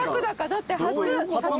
だって初。